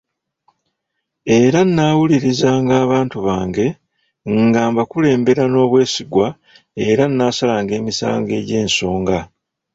Era nnaawulirizanga abantu bange nga mbakulembera n’obwesigwa era nnaasalanga emisango agy’ensonga.